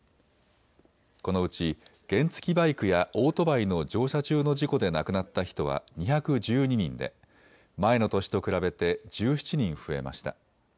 このうち原付きバイクやオートバイの乗車中の事故で亡くなった人は２１２人で前の年と比べて１７人増えました。